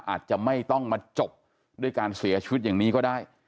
อาจจะไม่ต้องมาจบด้วยการเสียชีวิตอย่างนี้ก็ได้